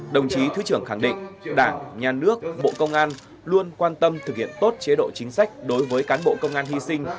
đồng chí thứ trưởng khẳng định đảng nhà nước bộ công an luôn quan tâm thực hiện tốt chế độ chính sách đối với cán bộ công an hy sinh